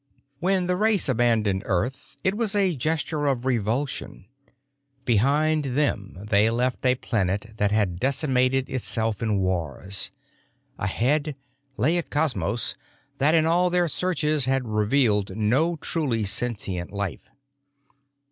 When the race abandoned Earth, it was a gesture of revulsion. Behind them they left a planet that had decimated itself in wars; ahead lay a cosmos that, in all their searches, had revealed no truly sentient life.